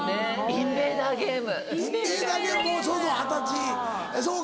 ・インベーダーゲーム